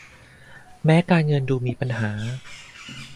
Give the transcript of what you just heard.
แม้การเงินดูมีปัญหา